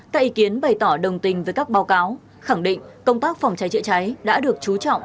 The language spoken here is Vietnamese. các ý kiến bày tỏ đồng tình với các báo cáo khẳng định công tác phòng cháy chữa cháy đã được chú trọng